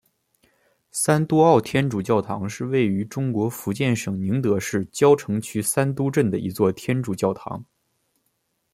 三都澳天主教堂是位于中国福建省宁德市蕉城区三都镇的一座天主教堂。